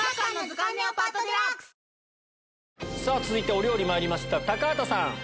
続いてお料理まいりました高畑さん。